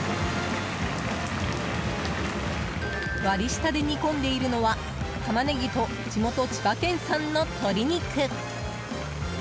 割り下で煮込んでいるのはタマネギと地元・千葉県産の鶏肉。